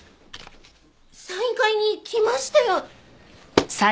サイン会に来ましたよ！